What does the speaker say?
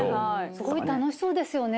すごい楽しそうですよね